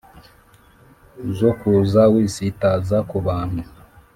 zo kuza wisitaza kubantu